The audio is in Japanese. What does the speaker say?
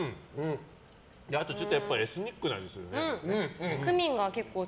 あと、ちょっとやっぱりエスニックな味がするね。